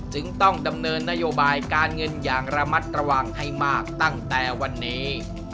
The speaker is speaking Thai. จึงต้องดำเนินนโยบายการเงินอย่างระมัดระวังให้มากตั้งแต่วันนี้